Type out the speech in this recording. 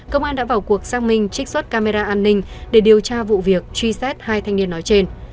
công an đã vào cuộc xác minh trích xuất camera an ninh để điều tra vụ việc truy xét hai thanh niên nói trên